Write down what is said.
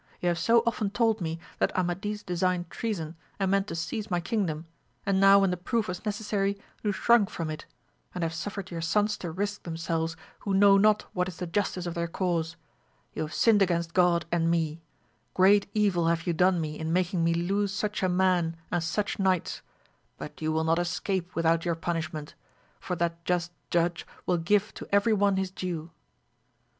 you have so often told me that Amadis designed treason and meant to seize my kingdom, and now when the proof was necessary you shrunk from it ! and have suffered your sons to risque themselves who know not what is the justice of their cause. You have sinned against God and me ; great evil have you done me in making me lose such a man and such knights, but you will not escape without your punishment, for that just Judge will give to every one his due.